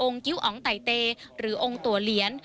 องค์กิ้วอ๋องไตเตหรือองค์ตัวเลี้ยน